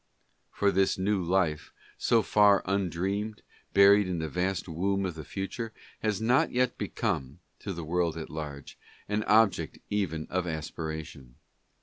For this new life, so far undreamed, buried in the vast womb of the future, has not yet become, to the world at large, an object even of aspiration.